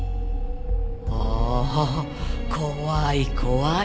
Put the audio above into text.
ああ怖い怖い。